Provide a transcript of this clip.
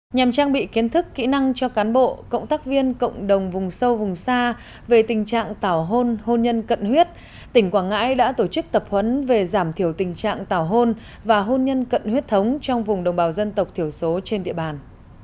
nhằm trang bị kiến thức kỹ năng cho cán bộ cộng tác viên cộng đồng vùng sâu vùng xa về tình trạng tảo hôn hôn nhân cận huyết tỉnh quảng ngãi đã tổ chức tập huấn về giảm thiểu tình trạng tảo hôn và hôn nhân cận huyết thống trong vùng đồng bào dân tộc thiểu số trên địa bàn